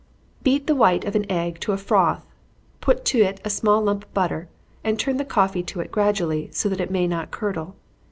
_ Beat the white of an egg to a froth put to it a small lump of butter, and turn the coffee to it gradually, so that it may not curdle.